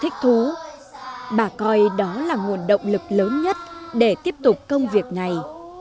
thích thú bà coi đó là nguồn động lực lớn nhất để tiếp tục công việc này